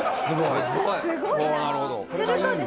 すごいな。